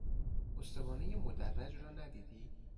استوانه مدرّج را ندیدی؟